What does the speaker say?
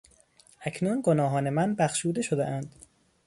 اکنون گناهان من بخشوده شدهاند.